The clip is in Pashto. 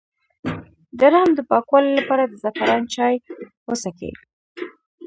د رحم د پاکوالي لپاره د زعفران چای وڅښئ